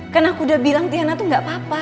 kan aku udah bilang tiana tuh gak apa apa